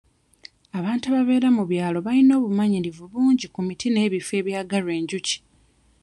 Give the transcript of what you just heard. Abantu ababeera mu byalo balina obumanyirivu bungi ku miti n'ebifo ebyagalwa enjuki.